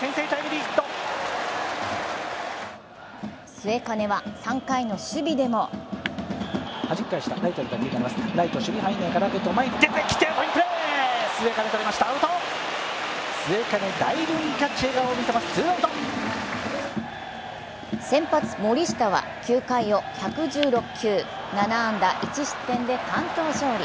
末包は３回の守備でも先発・森下は９回を１１６球、７安打１失点で完投勝利。